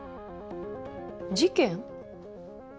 事件？